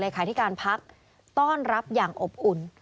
เลยขายทีการพลักษณ์ต้อนรับอย่างอบอุ้น